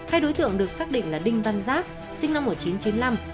hai đối tượng được xác định là đinh văn giáp sinh năm một nghìn chín trăm chín mươi năm